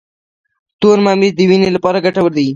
تور ممیز د وینې لپاره ګټور دي.